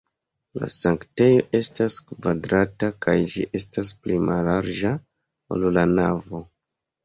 La sanktejo estas kvadrata kaj ĝi estas pli mallarĝa, ol la navo.